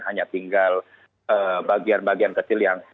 hanya tinggal bagian bagian kecil yang